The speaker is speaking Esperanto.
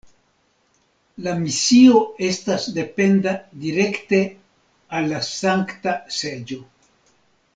La misio estas dependa direkte al la Sankta Seĝo.